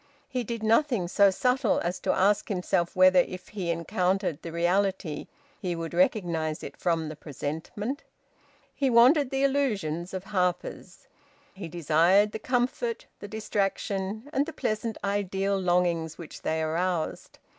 He did nothing so subtle as to ask himself whether if he encountered the reality he would recognise it from the presentment. He wanted the illusions of "Harper's." He desired the comfort, the distraction, and the pleasant ideal longings which they aroused.